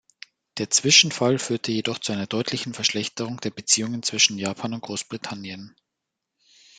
Der Zwischenfall führte jedoch zu einer deutlichen Verschlechterung der Beziehungen zwischen Japan und Großbritannien.